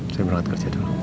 saya berangkat kerja dulu